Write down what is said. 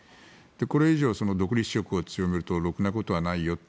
これ以上、独立色を強めるとろくなことはないよ